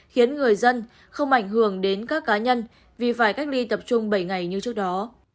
khiến người dân không ảnh hưởng đến các cá nhân vì phải cách ly tập trung bảy ngày như trước đó